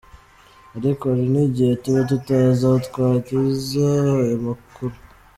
Ariko hari n’igihe tuba tutazi aho twageza ayo makuru.